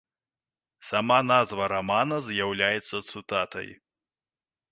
Сама назва рамана з'яўляецца цытатай.